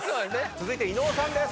続いて伊野尾さんです。